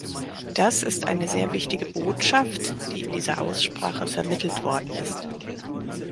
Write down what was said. Das ist eine sehr wichtige Botschaft, die in dieser Aussprache vermittelt worden ist.